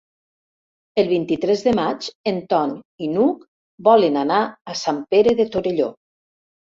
El vint-i-tres de maig en Ton i n'Hug volen anar a Sant Pere de Torelló.